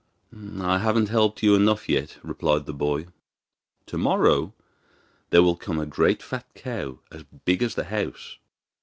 'I haven't helped you enough yet,' replied the boy. 'To morrow there will come a great fat cow, as big as the house.